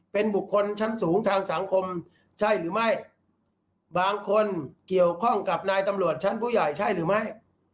เป็นบุคคลชั้นสูงทางสังคมใช่หรือไม่บางคนเกี่ยวข้องกับนายตำรวจชั้นผู้ใหญ่ใช่หรือไม่